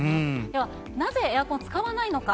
ではなぜ、エアコンを使わないのか。